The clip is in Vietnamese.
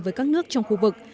với các nước trong khu vực